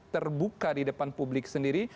terbuka di depan publik sendiri